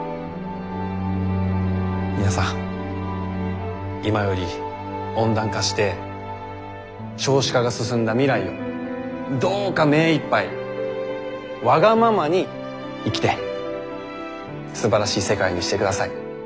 皆さん今より温暖化して少子化が進んだ未来をどうか目いっぱいわがままに生きてすばらしい世界にしてください。